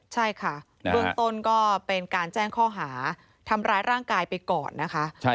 ใช่ค่ะเบื้องต้นก็เป็นการแจ้งข้อหาทำร้ายร่างกายไปก่อนนะคะ